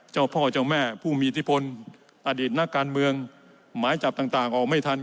เจ้าพ่อเจ้าแม่ผู้มีอิทธิพลอดีตนักการเมืองหมายจับต่างออกไม่ทัน